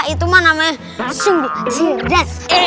itu mah namanya